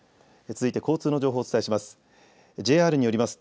続いて交通の情報をお伝えします。